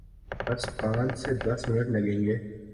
بس پانچھ سے دس منٹ لگئیں گے۔